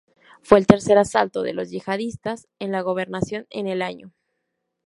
Fue el tercer asalto de los yihadistas en la gobernación en el año.